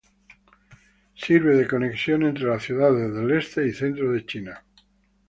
Sirve de conexión entre las ciudades del este y centro de China.